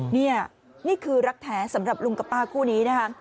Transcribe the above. นี่นี่คือรักแท้สำหรับลุงกับป้าคู่นี้นะคะ